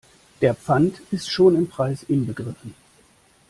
Der Pfand ist schon im Preis inbegriffen.